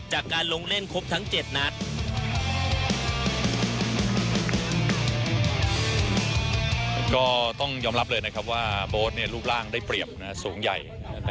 จากการลงเล่นครบทั้ง๗นัด